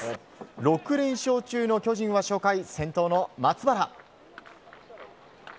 ６連勝中の巨人は初回先頭の松原。